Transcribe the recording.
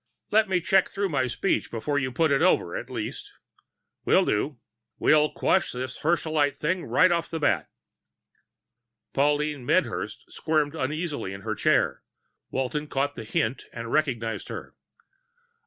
"Let me check through my speech before you put it over, at least." "Will do. And we'll squash this Herschelite thing right off the bat." Pauline Medhurst squirmed uneasily in her chair. Walton caught the hint and recognized her.